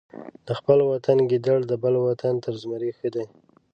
د خپل وطن ګیدړ د بل وطن تر زمري ښه دی.